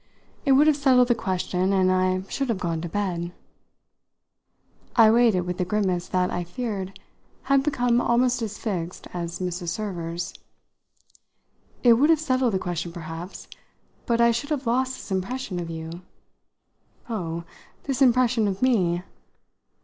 "It would have settled the question, and I should have gone to bed." I weighed it with the grimace that, I feared, had become almost as fixed as Mrs. Server's. "It would have settled the question perhaps; but I should have lost this impression of you." "Oh, this impression of me!"